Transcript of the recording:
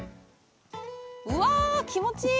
うわ気持ちいい！